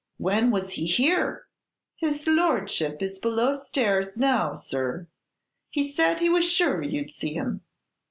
"When was he here?" "His Lordship is below stairs now, sir. He said he was sure you'd see him."